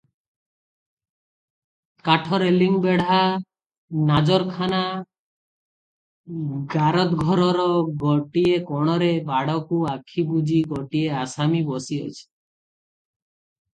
କାଠ ରେଲିଂ ବେଢ଼ା ନାଜରଖାନା ଗାରଦଘରର ଗୋଟିଏ କୋଣରେ ବାଡ଼କୁ ଆଖି ବୁଜି ଗୋଟିଏ ଆସାମୀ ବସିଅଛି ।